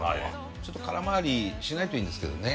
ちょっと空回りしないといいですけどね。